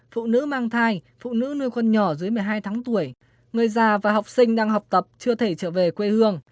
phụ nữ nuôi con nhỏ dưới một mươi hai tháng tuổi người già và học sinh đang học tập chưa thể trở về quê hương